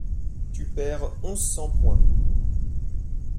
Tu perds onze cents points.